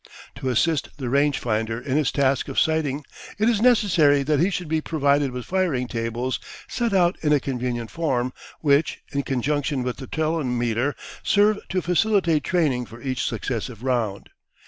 To assist the range finder in his task of sighting it is necessary that he should be provided with firing tables set out in a convenient form, which, in conjunction with the telemeter, serve to facilitate training for each successive round.